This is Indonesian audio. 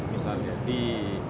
misalnya di rsi